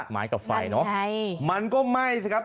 ไม้กับไฟเนอะมันก็ไหม้สิครับ